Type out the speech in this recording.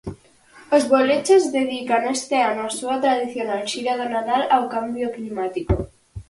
Os Bolechas dedican este ano a súa tradicional xira de Nadal ao cambio climático.